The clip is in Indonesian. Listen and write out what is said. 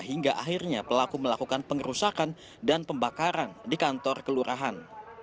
hingga akhirnya pelaku melakukan pengerusakan dan pembakaran di kantor kelurahan